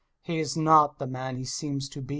He is not the man he seems to be.